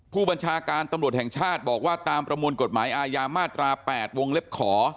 ผู้บัญชาการตำรวจแห่งชาติบอกว่าตามประมวลกฎหมายอาญามาตรา๘วงเล็บขอ